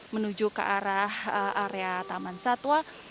menuju ke arah area taman satwa